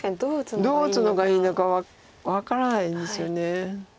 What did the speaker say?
どう打つのがいいのか分からないんですよね。